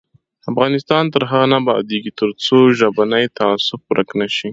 افغانستان تر هغو نه ابادیږي، ترڅو ژبنی تعصب ورک نشي.